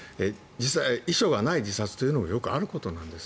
遺書がない自殺というのもよくあることなんです。